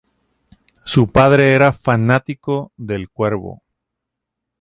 Su padre era fanático del 'Cuervo'.